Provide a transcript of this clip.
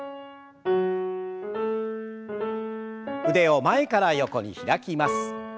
腕を前から横に開きます。